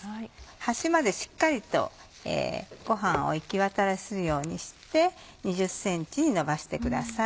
端までしっかりとごはんを行きわたらせるようにして２０ｃｍにのばしてください。